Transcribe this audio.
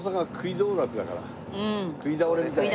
食い倒れみたいな。